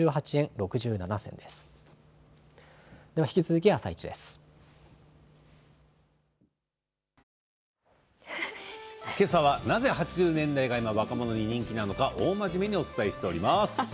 けさはなぜ８０年代が若者に人気なのか大真面目にお伝えしています。